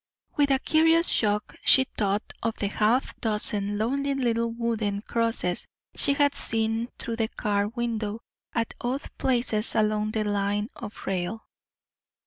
With a curious shock she thought of the half dozen lonely little wooden crosses she had seen through the car window at odd places along the line of rail.